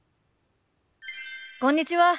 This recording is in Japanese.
こんにちは。